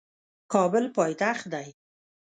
کابل پایتخت دی